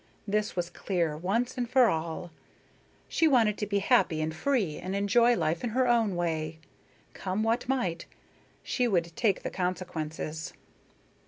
This was clear, once and for all. She wanted to be happy and free and enjoy life in her own way. Come what might, she would take the consequences.